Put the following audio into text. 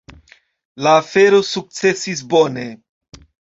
La afero sukcesis bone.